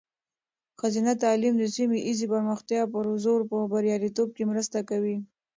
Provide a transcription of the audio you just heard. ښځینه تعلیم د سیمه ایزې پرمختیا پروژو په بریالیتوب کې مرسته کوي.